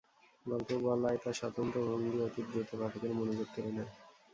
গল্প বলায় তাঁর স্বতন্ত্র ভঙ্গি অতি দ্রুত পাঠকের মনোযোগ কেড়ে নেয়।